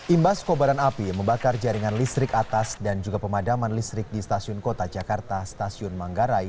imbas kobaran api membakar jaringan listrik atas dan juga pemadaman listrik di stasiun kota jakarta stasiun manggarai